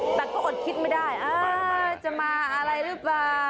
แต่ก็อดคิดไม่ได้จะมาอะไรหรือเปล่า